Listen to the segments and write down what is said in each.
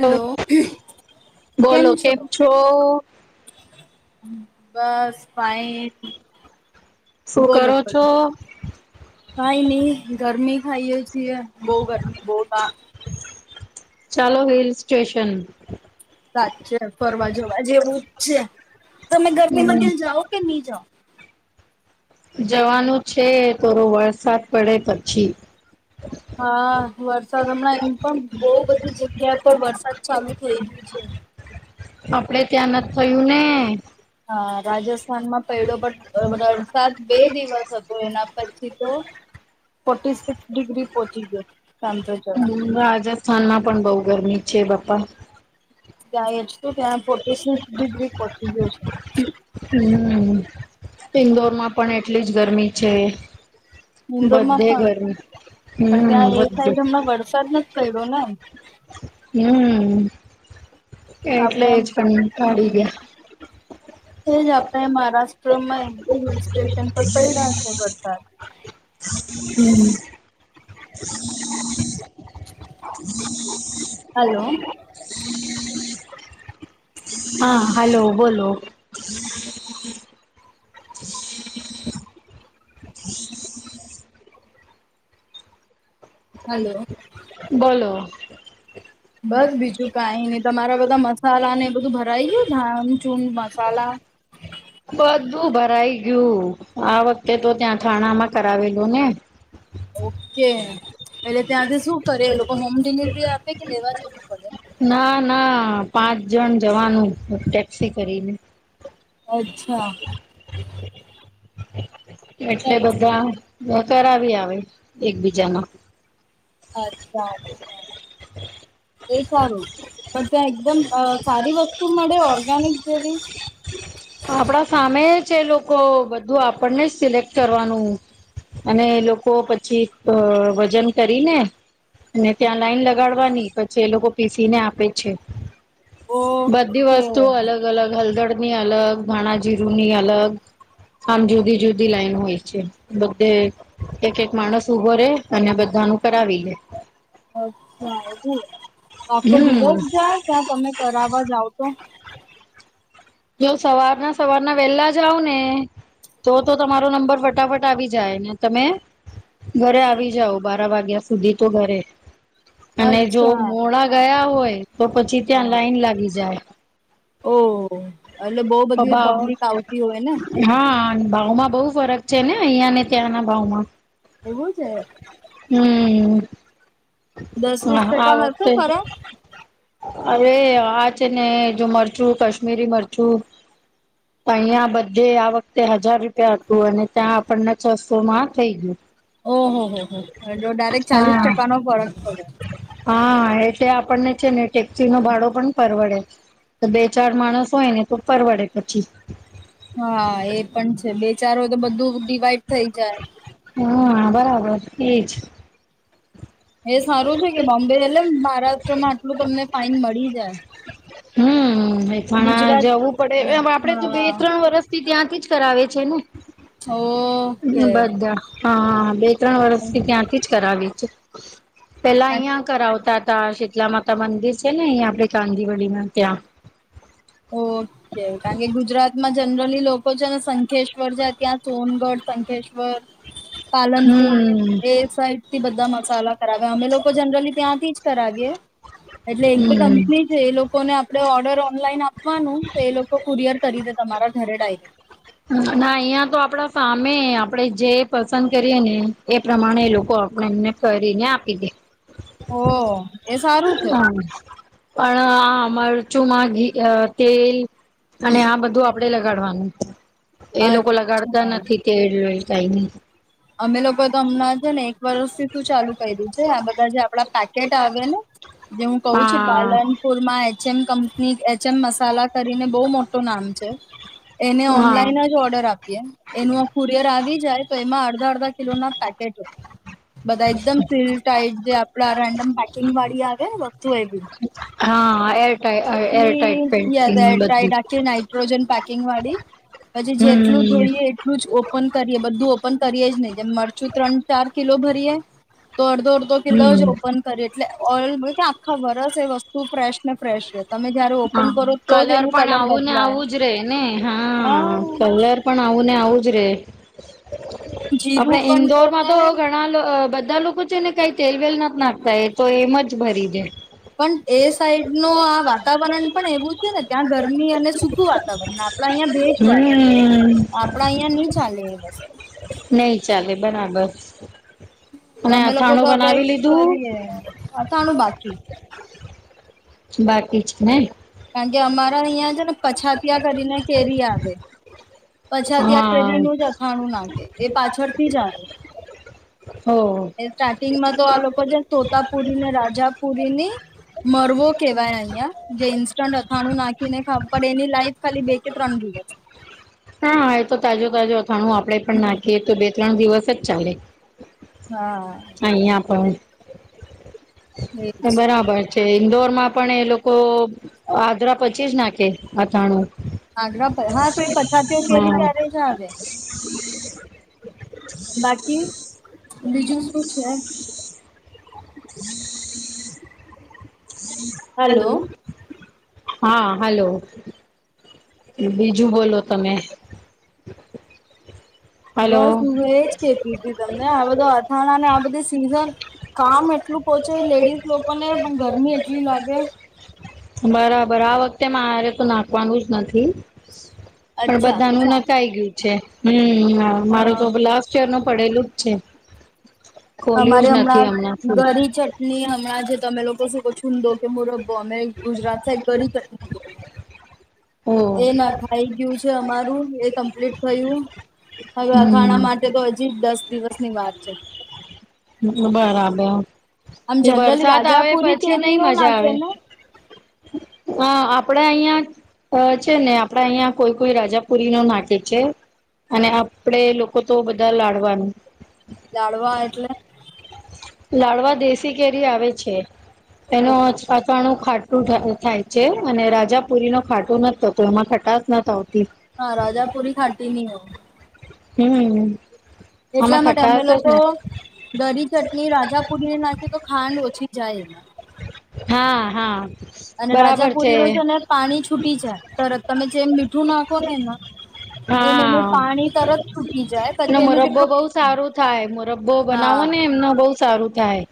Hello, બોલો કેમ છો? [inaudible] બસ ફાઈન શું બોલો કરો છો કઈ નહી ગરમી હા જ. નીકળીએ બવ ઘર બહ ત ચાલો હિલ સ્ટેશન. સાચે ફરવા જવા જેવું જ છે તમે ગરમીમાં ક્યાં જાઓ કે નહી જાઓ. જવાનું છે થોડો વરસાદ પડે પછી હા વરસાદ હમણાં એમ પણ બહ બધી જગ્યા પર વરસાદ ચાલુ થઈ ગયું છે. આપડે ત્યાં નથી થયું ને. હા રાજસ્થાનમાં પયડો પણ વરસાદ બે દિવસ હતો એના પછી તો ફોર્ટી સિક્સ ડિગ્રી પોહોંચી ગયો. [unintelligible] હમ્મ રાજસ્થાન ના. પણ બઉુ ગરમી છે બાપા. ત્યાં એજે તો ત્યાં ફોર્ટીસિક્સ ડિગ્રી પહોંચી ગયો છે. [inaudible] હમ ઇન્દોરમાં પણ એટલી જ ગરમી છે. ઈન્દોર માં બધે પણ ગરમી પણ ત્યાં હમ એ બધે સાઈડ હમણાં વરસાદ ન પડ્યો ને. હમ એટલે આપડમ જ કંટાળી હમ ગયા એજ આપણે મહારાષ્ટ્રમાં એમ હિલ સ્ટેશન પર પડ્યા છે વરસાદ. હમ્મ [inaudible] હલો [inaudible] હા હલો બોલો. [inaudible] હલો બોલો. બસ બીજું કઈ નહી તમારા બધા મસાલા ને બધું ભરાઈ ગયું ધા ચૂ મસાલા. બધું ભરાઈ ગયું આ વખતે તો ત્યાં થાણામાં કરાવેલું ને. ઓકે એલે ત્યાંથી શું કરે એ લોકો હોમ ડિલિવરી આપે કે લેવા જવું પડે. ના ના પાંચ જણ જવાનું ટેક્સી કરીને. અચ્છા. એટલે અચ્છા બધા કરાવી આવે. એકબીજાનો. અચ્છા અચ્છા એ સારું. ત્યાં એકદમ સારી વસ્તુ મળે ઓર્ગેનિક જેવી? આપડા સામે છે લોકો બધું આપણને જ સિલેક્ટ કરવાનું અને લોકો પછી વજન કરીને અને ઓકે ત્યાં લાઈન અચ્છા લગાડવાની પછી એ લોકો પીસીને આપે છે. બધી વસ્તુઓ અલગ અલગ હલદડ ની અલગ ઘાણા જીરુની અલગ આમ જુદી જુદી લાઈન હોય છે બધે એક એક માણસ ઉભો રે અને બધા ન કરાવી લે. અચ્છા એવું આખો હમ દિવસ જાય ત્યાં તમે કરવા જાવ તો. જો સવારના સવારના વેલા જાઓ ને તો તો તમારો નંબર ફટાફટ આવી જાય ને તમે ઘરે આવી જાાવ બાર વાગ્યા સુધી તો ઘરે. અને જો અચ્છા હા મોડા ગયા હોય તો પછી ત્યાં લાઈન લાગી જાય. ઓહ. સ્વભાવ હોય ને હા ભાવમાં. બહુ ફરક છે ને અહિયાં ને ત્યાંના ભાવમાં. એવું છે. હમ્મ. દસ હા વીસ ટકા આવ હશે વખતે ફરક અરે આ છે ને જો મરચું કાશ્મીરી મરચું અહં બધે આ વખતે હજાર રૂપિયા હતું અને ત્યાં આપણને છસો માં થઈ ગયું. ઓહ, હો, હો જો ડાયરેક્ટ ચાલીસ હા ટકાનો ફરક. [unintelligible] હા એટલે આપણને છે ને ટેક્સી નો ભાડો પણ પરવડે તો બે ચાર માણસ હોય ને તો પરવડે પછી. હા એ પણ છે બે, ચાર હોય તો બધું ડિવાઈડ થઈ જાય. હા બરાબર એજ. એ સારું છે કે બોમ્બે એટલે મહારાષ્ટ્રમાં આટલું તમને ફાઈન મળી જાય. હમ મેથાણા ગુજરાત જવું પડે હા કરાવ છે ને. ઓકે. બધા હા બે. ત્રણ વર્ષથી ત્યાંથી જ કરાવી. [unintelligible] પેલા અહિયાં કરાવતા. શીતલા માતા મંદિર છે ને અહી આપે કાંદી વડીમાં ત્યાં. ઓકે કારણ કે શ્વર છે ત્યાં સોનગઢ સંકેશ્વર પાલનપુર એ હમ સાઈડ થી બધા મસાલા કરાવે અમે લોકો જનરલી ત્યાંથી. તારગે એટલે એક બે હમ કંપની છે એ લોકોને આપ આપણે ઓર્ડર ઓનલાઈન આપ પવાનું એ લોકો કુરયર કરી દે તમારા ઘરે ડાયરેક. ના અહિયાં તો આપડા સામે આપણેે જે પસંદ કરીએ ને એ પ્રમાણે લોકો આપણે એમને કરીને આપી દે. ઓ. એ સારું છે. હા પણ આ મરચોમાં ઘી તેલ અને આ બધું આપ કડે લગાડવાનું છે. એ લોકો લગાડતા અચ્છા નથી તે કઈ નહીં. અમે લોકો તો અમણાં છે ને એક ભરોશું શું ચાલુ કઈ દુ છે આ બધા જે આપડા પેકેટ આવે ને જે હું કહું છું હા પાલનપુરમાં છેન કંપની એચ એમ મસાલા કરીને બહુ મોટું નામ છે. એને હા ઓનલાઈન જ ઓર્ડર આપીએ એનું આ કુરિયર આવી જાય તો એમાં અડ દા કિલો ના પેકેટો. બધા એકદમ સીલ ટાઈટ જે આપડા રેન્ડમ પેકિંગ વાળી આવે ને વસ્તુ એવી. હા એ લેજ એર ટાઇટ આખું નટ્રોજન પેકિંગ વા દી અછું જેટલું હમ જોઈએ એટલું જ ઓ પન કરીએ બધું ઓપન કરીએ જ નહી. જેમ મરચું ત્રણ ચાર કિલો ભરીએે તોડ દોડ દો કિલો જ હમ ઓપન કરે. લે ઓલ કે આખા વર્ષ એ વસ્તુ ફ્રેશ ને ફ્રેશ રહે. હા કલર પણ આવું ને બદલાય આવું જ રે ને. હા કલર પણ આવુંને આવું રે આપડે જીરું પણ ઈન્દોર છે માં ને તો ઘણા લ બધા લોકો છે ને કઈ તેલવેલ નથી નાખતા એ તો એમ જ ભરી દે પણ એ સાઈડ નો વાતાવરણ પણ એવું છે ને ત્યાં ગરમી અને સખું વાતાવરણ આપડા અહિયાયા ભેજવા હમ્મ. આપડા અહિયાં ની ચાલે એ વસ્ત નહી ચાલે બરાબર અને અમે લોકો અથાણું તો હવે બનાવી લીધું કરિએ અથાણું બાકી બાકી છે ને. કારણ કે અમારા અહિયાં છે ને પછાતયા કરીને કેરી આવે. પછાત્યાં હા કેરીનું જ અથાણું નાખે એ પાછળથી જ આવે હો એ સ્ટાર્ટિંગમાં તો આ લોકો જે તોતાપુરીને, રાજાપુરીની મરવો કહેવાય અહિયાં જે ઈન્સ્ટન્ટ અથાણું નાખીને ખાવ પણ એની લાઈફ ખાલી બે કે ત્રણ દિવસ. હા એ તો તાજો તાજો હત ખાણું આપડે પણ નાખીએ તો બે. ત્રણ દિવસ જ ચાલે હા અહયા પણ. એજ બરાબર છે. ઇન્દોર માં પણ એ લોકો આદ્ર પછી જ નાખે આથાણું. આગ્ર હા તો એ પછા છે. કે ર હા. ત્યારે જ આવે. [unintelligible] બાકી બીજું શું છે. [unintelligible] હલો. હા હલોો. બીજું બોલો તમે. હલો. બસ હું એજ કેતી હતીી તમને આ બધો અથાણાને આ બધી સીઝન કામ એટલું પોહોંચે લેડીઝ લોકોને પણ ગરમી એટલી લાગે. બરાબર આ વખતે મારે તો નાખવાનું જ નથી. પણ અચ્છા બધા તો ન શાંત નખાઈ ગયું છે. હમ. મારે હા તો લાસ્ટ યર નું પડેલું જ છે. ખોલ્યું જ અમારે નથી હમણાં ફૂલ ગરી ચટણી હમણાં જે તમે લોકો શું કહ છૂંદો કે મુરબ્બો અમે ગુજરાત સા એક ગરી ચટણી. ઓ એ નાખાઈ ગયું છે અમારું એ કમ્પ્લીટ થયું. હવે અથાણા હમ માટે તો હજી દસ દિવસની વાત છે. આમ [inaudible] એ જનરલી વરસાદ આવે રાજાપુરી પછી કેરી નઈ નો મજા નાખે આવે ને હા. આપડા અહિયાં છે ને આપડાે અહિયાં કોઈ કોઈ રાજાપુરી નો નાકે છે. અને આપડે લોકો તો બધા લાડવાનું. જાડવા એટલે. લાડવા દેશી કેરી આવે છે. એનો પાચવાણું. ખાટું થાય છે અને રાજાપુરી ન ખાટું નથી થતો એમાં ખટશ ન હોતી. હા રાજા પુરી ખાટી નની હો. હમ. આમાં એટલા માટે અમે ખટાશ જ લોકો ને દરી ચટણી રાજાપુરીને નાખી તો ખાંડ ઓછી જાય એમાં. હા હા. અને રાજાપુરીનુંું છે ને પાણી છૂટી જાય તરત તમે જેમ મીઠું નાખો નેને એમ એનું હા પાણી તરત છૂટી જાય અને પછી એનું મુરબ્બો જેટલું બહુ સારું થાય મુરબ્બો હા. બનાવો ને એમનો બહુ સારું થાય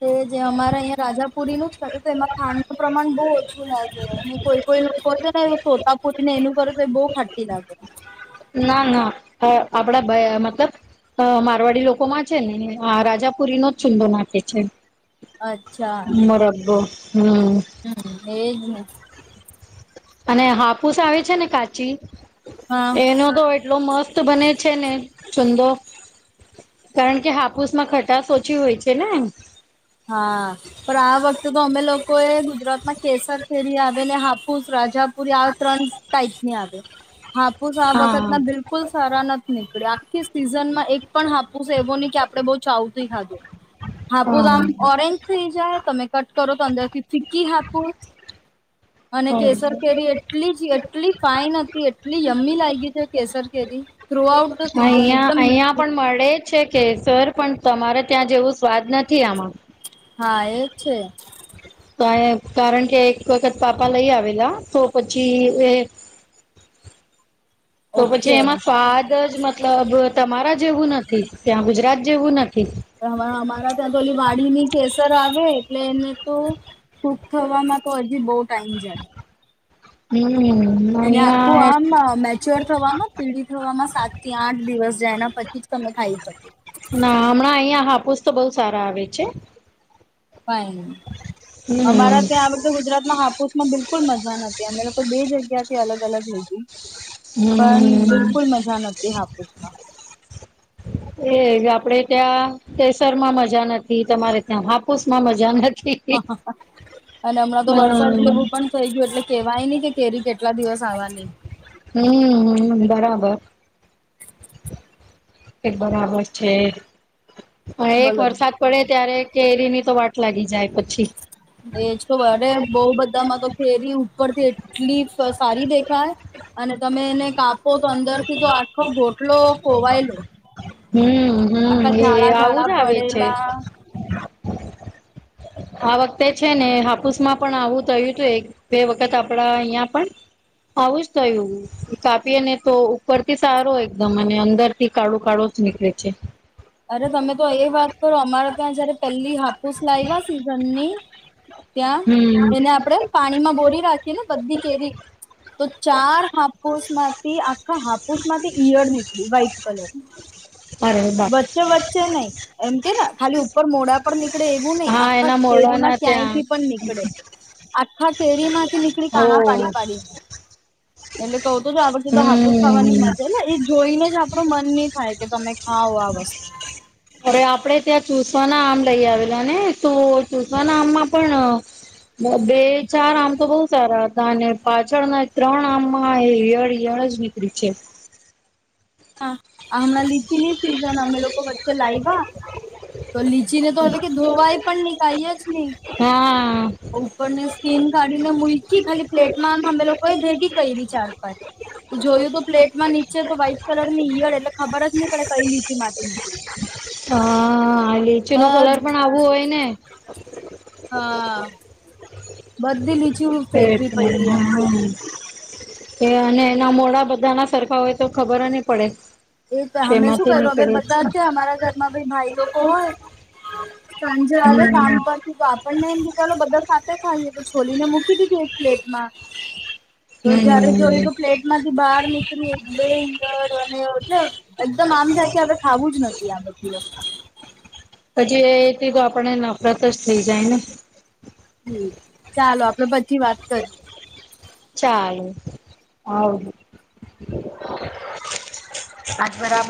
તે જે અમારા. તાાપુરી નું જ કરે તો એમાં ખાંડ ન પ્રમાણ બહુ ઓછું લાગે અને કોઈ કોઈ લોકો છે ને સોતાપુરીને એનું કરે તો એ બહ ખાટી લાગે. ના ના આપડા મતલબ મારવાડી લોકોમાં છે ને રાજાપુરી નો જ ચુંદો નાખ છે. અચ્છા મ રાખબો. હમ એ જ ને. અને હાપુસ આવે છે ને કાચી. હા એનો તો એટલો મસ્ત બને છે ને ચુંંદો. કારણ કે હાપુસમાં ખટશ ઓછી હોય છે ને. હા પણ આ વખતે તો અમે લોકો એ ગુજરાતમાં કેસર કેરી આવે એટલે હાપુસ રાજા પૂરી આ ત્રણ ટાઈઇપ ની આવે. હા. આ વખત હા ના બિલકુલ સારા નથી નીકળ્યા આખી સીઝ ઝનમાં એક પણ હાપુસ એવો નહી કે આપડે બઉુ ચાવથી ખાધું. હાપુસ આમ હા ઓરેન્જ થઈ જાય તમે કટ કરો તો અંદરથી ફીકી હાપુસ અને કેસર કેરી એટલી જ એટલી ફાઈન હતી એટલી યમી લાગી છે કેસર કેરી. થ્રુ આઉટ ધ અહં સીઝન એકદમ અહિયાં મીઠી પણ મળે જ છે. કેસર પણ તમારે ત્યાં જેવું સ્વાદ નથી આમાં. હા એજ છે. કાયે કારણ કે એક વખત પાપા લઈ આવેલા તો પછી એ તો પછી ઓકે એમાં સ્વાદ જ મતલબ તમારા જેવું નથી ત્યાંમુજ તજ જેવું નથી. હવે અમારા ત્યાં તો પેલી વાડીની કેસર આવે એટલે એને તો સૂક થવામાં તો હજી બહ ટાઈમ જાય. હમ્મ. એટલે આખું આમ મેચ્યોર થવામાં પીડી થવામાં સાત થી આઠ દિવસ જાય એના પછી જ તમે ખાઈ શકો. ના હમણાં અહિયાં હાપુસ તો બહુ સારા આવે છે. ફાઈન અમારા હમ ત્યાં આ વખતે ગુજરાતમાં હાપુસમાં બિલકુ બલકુલ મજા નથી અમે લોકો બે જગ્યા થી અલગ અલગ લીધી પણ હમ્મ બિલકુલ મજા નથીતી હાપુસમાં. એજ આપડે ત્યાં કેસર માં મજા નથી તમારે ત્યાં હાપુસ માં મજા નથી. અને હમણાં તો વરસાદ હમ્મ. જેવું પણ થઇ ગયું એટલે કેવાય નહી કેરી કેટ કેટલા દિવસ આવવાની. હમ્મ હમ્મ બરાબર. એક બરાબર છે. હા એક બોલો વરસાદ પડે ત્યારે કેરી ની તો વાટ લાગી જાય. પછી. એ જ તો અરે બઉ બધામાં તો કેરિયું ઉપરથી એટલી સારી દેખાય અને તમે એને કાપ પો તો અંદર થી તો આખો ગોટલો ખોવાયેલો હમ હમ આખા એ ઝાડા આવું ઝાડા જ આવે છે. પડેલા આ વખતે છે ને હાપુસ માં પણ આવું થયું છે બે વખત આપડા અહિયાં પણ આવું જ થયું કાપીએ ને તો ઉપરથી સારો એકદમ અને અંદરથી કાળો કાળો જ નીકળે છે. અરે તમે તો એ વાત કરો અમારે ત્યાં જયારે પેલી હાપુસ લાયવા સીઝન અને ત્યાં હમ્મ એને આપણે પાણીમાં બોરી રાખી ને બધી કેરી તો ચાર હાપુસ માંથી આખા હાપુસ માંથી ઈયળ નીકળી વ્હાઈટ કલરની. અરે બાપ વચ્ચે વચ્ચે નહ એમ કે ને ખાલી ઉપર મોડા પર નીકળે એવું નહી હા આખા એના કેરી મોરડાના માં ક્યાંય ત્યાં થી પણ નીકળે આખા કેરી માંથી નીકળી હો કાણા પાડી પાડીને. એટલે કહ તો આડ જધ હાપુસ ખાવાની હમ મજાને એ જોઈને જ આપડું મન નહી થાય કે તમે ખાવ. અરે આપડે ત્યાં ચુસ વાના આમ લઈ આવેલા ને તો ચુસવાના આમમાં પણ બે ચાર આમ તો બહુ સારા હતા અને પાછળના ત્રણ આમમાં ઈયળ ઈયળ જ નીકળી છે. હા હમણાં લીચી ની સિઝન અમે લોકો વચ્ચે લાવ્યા તો લીચીને તો હવે કે ધોવાય પણ નની કહી જ હા નહી ઉપરની સ્કીન કાઢીને મલકી ખાલી પ્લેટમાં અમે લોકોએ ભેગી કરી ચાર પાંચ જોયું તો પ્લેટમાં નીચે તો વાઇટ [unintelligible] એ ખબર જ નહી પડે કઈ લીચી માંથી નીકળી હા બ લીચી નો કલર પણ આવું હોય ને હા બધી લીચી ફેકવી પયડી અમને. કે અને એના મોડા બધા ના સરખા હોય તો ખબર નહી પડે. એ તો અમે શું તેમાંથી કર્યું નીકળે બધા છે અમારા ઘરમાં ભાઈ ભાઈ લોકો હોય. સાંજે છે આવે કામ હમ પરથી તો આપણને એમ કે ચાલો બધા સાથે ખાઈએ તો છોલીને મૂકી દીધું એક પ્લેટમાં. તો જયારે હમ જોય તો પ્લેટ માંથી બહાર નીકળી એક બે અંદર અને એટલે એકદમ આમ થાય કે હવે ખાવું જ નથી આ બધુ પછી એ તો આપણ નફરત જ થઇ જાય ને. હમ ચાલો આપડે પછી વાત કરી. હ બરાબર.